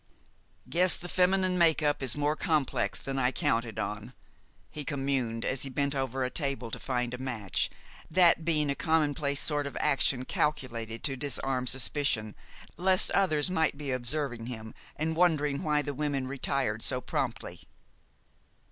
"Guess the feminine make up is more complex than I counted on," he communed, as he bent over a table to find a match, that being a commonplace sort of action calculated to disarm suspicion, lest others might be observing him, and wondering why the women retired so promptly.